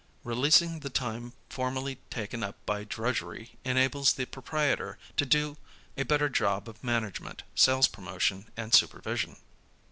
Releasing the time formerly taken up by drudgery enables the proprietor to do a better job of management, sales promotion, and supervision.